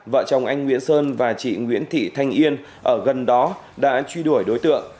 vợ chồng anh nguyễn sơn và chị nguyễn thị thanh yên ở gần đó đã truy đuổi đối tượng